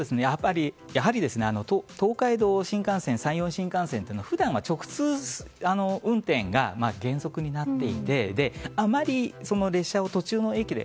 やはり東海道新幹線山陽新幹線というのは普段は直通運転が原則になっていてあまり列車を途中の駅で。